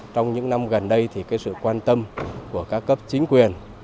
trong những năm gần đây thì sự quan tâm của các cấp chính quyền